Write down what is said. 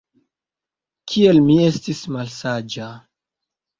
Kiel mi estis malsaĝa!